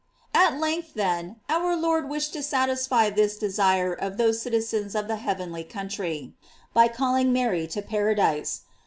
* At length, then, our Lord wished to satisfy this desire of those citizens of the heavenly country, by calling Mary to paradise.